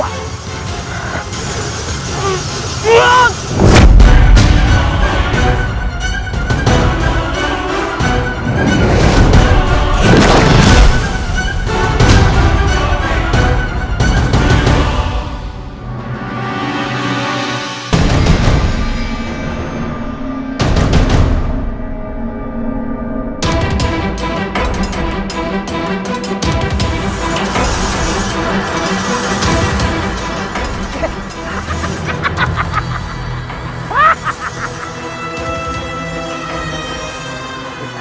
aku akan mencabut